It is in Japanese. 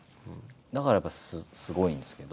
だからやっぱすごいんですけど。